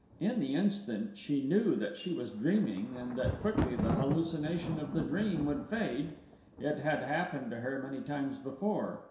In the instant she knew that she was dreaming and that quickly the hallucination of the dream would fade it had happened to her many times before.